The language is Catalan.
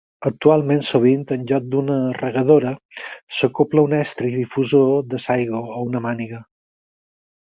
Actualment sovint en lloc d'una regadora s'acobla un estri difusor de l'aigua a una mànega.